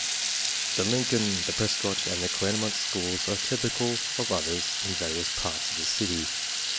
The Lincoln, the Prescott, and the Claremont schools are typical of others in various parts of the city.